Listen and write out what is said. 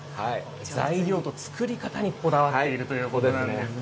材料と作り方にこだわっているということなんですね。